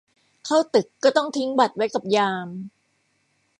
เข้าตึกก็ต้องทิ้งบัตรไว้กับยาม